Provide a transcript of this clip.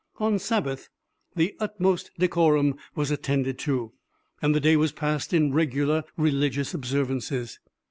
On Sabbath the utmost decorum was attended to, and the day was passed in regular religious observances.